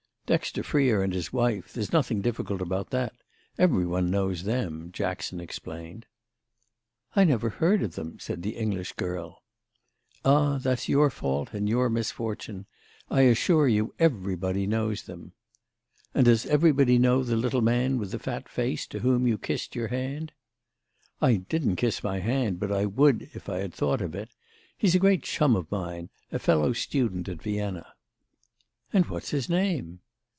"Dexter Freer and his wife—there's nothing difficult about that. Every one knows them," Jackson explained. "I never heard of them," said the English girl. "Ah, that's your fault and your misfortune. I assure you everybody knows them." "And does everybody know the little man with the fat face to whom you kissed your hand?" "I didn't kiss my hand, but I would if I had thought of it. He's a great chum of mine—a fellow student at Vienna." "And what's his name?"